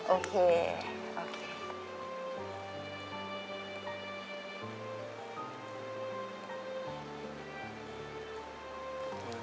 โอเค